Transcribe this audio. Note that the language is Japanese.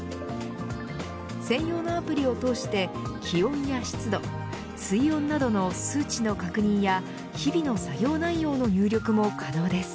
専用のアプリをとおして気温や湿度水温などの数値の確認や日々の作業内容の入力も可能です。